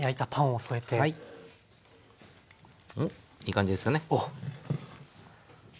おっいい感じですよね。